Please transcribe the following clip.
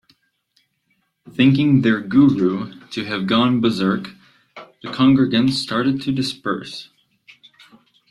Thinking their Guru to have gone berserk, the congregants started to disperse.